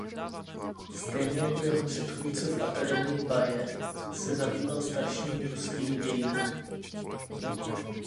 Stejně jako jeho předchůdce v akademii Bayer se zabýval staršími ruskými dějinami.